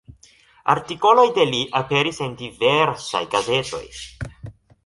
Artikoloj de li aperis en diversaj gazetoj.